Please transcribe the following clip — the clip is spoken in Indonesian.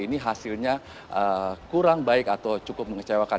ini hasilnya kurang baik atau cukup mengecewakan